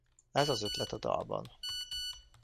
Ez az ötlet a dalban.